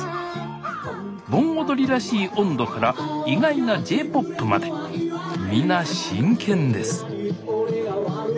盆踊りらしい音頭から意外なＪ−ＰＯＰまで皆真剣です